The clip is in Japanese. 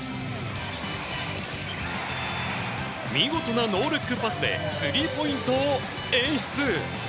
見事なノールックパスでスリーポイントを演出！